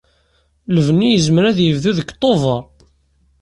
Lebni yezmer ad yebdu deg Tubeṛ.